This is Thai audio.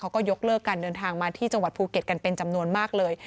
เขาก็ยกเลิกการเดินทางมาที่จังหวัดภูเก็ตกันเป็นจำนวนมากเลย